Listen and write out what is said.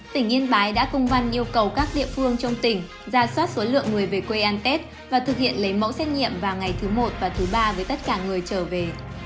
tỉnh yên bái đã công văn yêu cầu các địa phương trong tỉnh ra soát số lượng người về quê ăn tết và thực hiện lấy mẫu xét nghiệm vào ngày thứ một và thứ ba với tất cả người trở về